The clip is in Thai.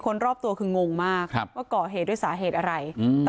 ผมคิดคุณยังไม่ได้ให้คุกชื่น